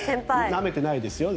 なめてないですよ。